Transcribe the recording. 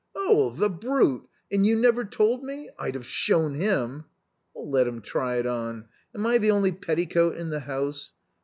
Oh, the brute ! And you never told me ! I'd have shown him." " Let him try it on ! Am I the only petticoat in the house